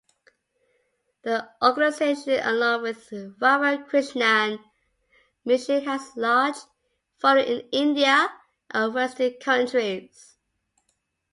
The organisation along with Ramakrishna Mission has large following in India and Western countries.